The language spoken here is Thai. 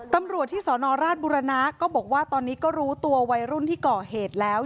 ตำรวจที่สนราชบุรณะก็บอกว่าตอนนี้ก็รู้ตัววัยรุ่นที่ก่อเหตุแล้ว